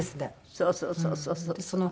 そうそうそうそうそう。